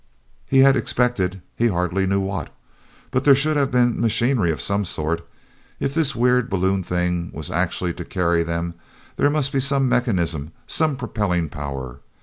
e had expected—he hardly knew what. But there should have been machinery of some sort. If this weird balloon thing was actually to carry them, there must be some mechanism, some propelling power.